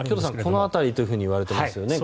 この辺りと言われていますよね。